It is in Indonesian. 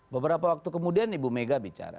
beberapa waktu kemudian ibu mega bicara